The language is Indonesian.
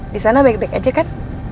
di sana baik baik aja kan